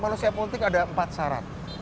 manusia politik ada empat syarat